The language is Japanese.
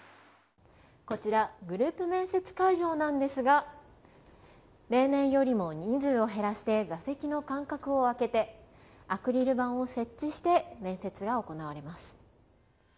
こちらグループ面接会場なんですが例年よりも人数を減らして座席の間隔を空けてアクリル板を設置して面接が行われます。